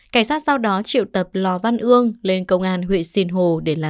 cảnh sát sau đó triệu tập lò văn ương lên công an huyện sìn hồ